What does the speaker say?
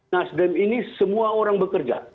nasdem ini semua orang bekerja